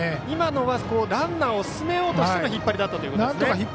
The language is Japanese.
今のはランナーを進めようとしての引っ張りだったということですね。